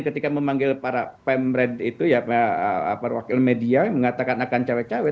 saya memanggil para pemerintah itu ya perwakil media mengatakan akan cewek cewek